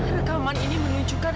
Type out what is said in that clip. rekaman ini menunjukkan